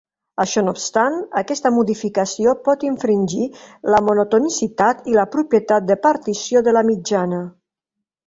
Això no obstant, aquesta modificació pot infringir la monotonicitat i la propietat de partició de la mitjana.